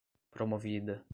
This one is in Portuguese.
promovida